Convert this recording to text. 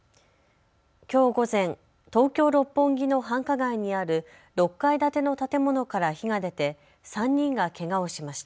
きょう午前、東京六本木の繁華街にある６階建ての建物から火が出て３人がけがをしました。